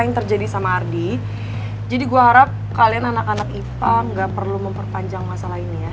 yang terjadi sama ardi jadi gua harap kalian anak anak ipa nggak perlu memperpanjang masa